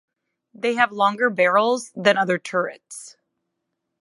They have longer barrels than other turrets.